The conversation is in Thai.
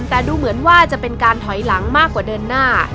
แต่ดูเหมือนว่าจะเป็นการถอยหลังมากกว่าเดินหน้า